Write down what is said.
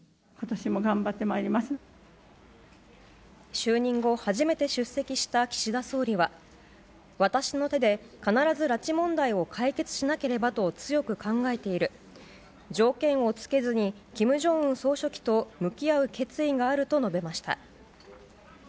就任後初めて出席した岸田総理は私の手で必ず拉致問題を解決しなければと強く考えている条件を付けずに金正恩総書記と向き合う決意があると述べました。